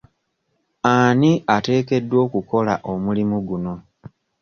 Ani ateekeddwa okukola omulimu guno?